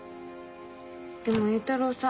でも榮太郎さん